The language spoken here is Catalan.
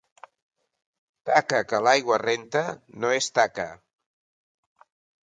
Taca que l'aigua renta no és taca.